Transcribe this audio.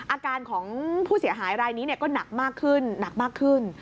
อาการของผู้เสียหายรายนี้ก็หนักมากขึ้น